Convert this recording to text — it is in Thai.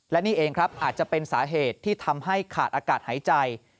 และนี่เองครับอาจจะเป็นสาเหตุที่ทำให้ขาดอากาศหายใจ